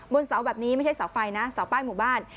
บนเสาแบบนี้ไม่ใช่เสาไฟนะเสาป้ายหมู่บ้าน